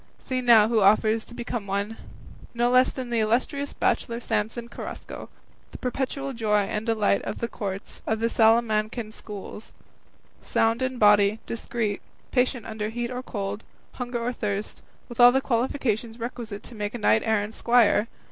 See now who offers to become one; no less than the illustrious bachelor Samson Carrasco, the perpetual joy and delight of the courts of the Salamancan schools, sound in body, discreet, patient under heat or cold, hunger or thirst, with all the qualifications requisite to make a knight errant's squire!